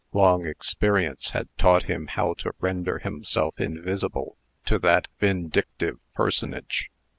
Long experience had taught him how to render himself invisible to that vindictive personage.